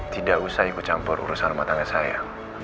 tidak usah ikut campur urusan rumah tangga saya